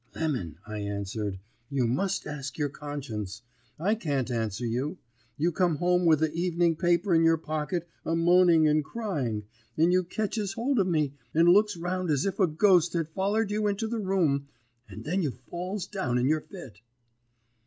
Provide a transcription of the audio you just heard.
"'Lemon,' I answered, 'you must ask your conscience; I can't answer you. You come home with a evening paper in your pocket, a moaning and crying, and you ketches hold of me, and looks round as if a ghost had follered you into the room, and then you falls down in your fit.'